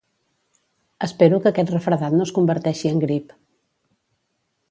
Espero que aquest refredat no es converteixi en grip